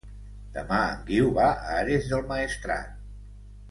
Demà en Guiu va a Ares del Maestrat.